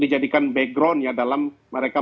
dijadikan background ya dalam mereka